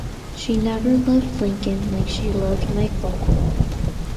She never loved Lincoln like she loved Michael.